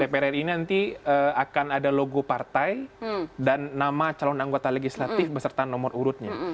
dpr ri ini nanti akan ada logo partai dan nama calon anggota legislatif beserta nomor urutnya